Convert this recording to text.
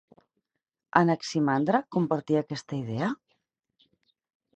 Anaximandre compartia aquesta idea?